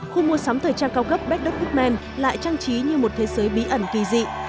khu mua sắm thời trang cao cấp bad dog goodman lại trang trí như một thế giới bí ẩn kỳ dị